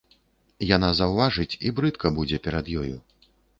Яна заўважыць, і брыдка будзе перад ёю.